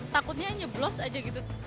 takutnya nyeblos aja gitu